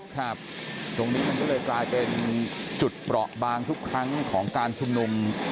ครับตรงนี้มันก็เลยกลายเป็นจุดเปราะบางทุกครั้งของการชุมนุม